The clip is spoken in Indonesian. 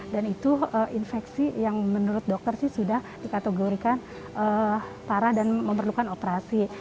dan itu infeksi yang menurut dokter sudah dikategorikan parah dan memerlukan operasi